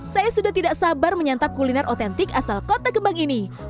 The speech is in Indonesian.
saya sudah tidak sabar menyantap kuliner otentik asal kota kembang ini